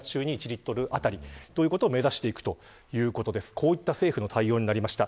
こういった政府の対応になりました。